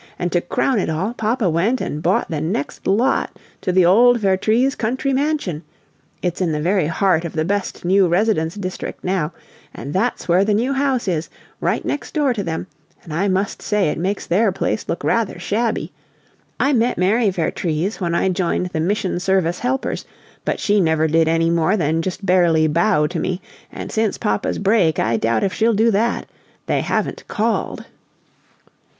And to crown it all, papa went and bought the next lot to the old Vertrees country mansion it's in the very heart of the best new residence district now, and that's where the New House is, right next door to them and I must say it makes their place look rather shabby! I met Mary Vertrees when I joined the Mission Service Helpers, but she never did any more than just barely bow to me, and since papa's break I doubt if she'll do that! They haven't called."